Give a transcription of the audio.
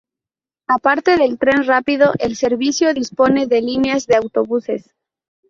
Aparte del tren rápido, el servicio dispone de líneas de autobuses.